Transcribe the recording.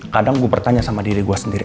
kadang gue bertanya sama diri gue sendiri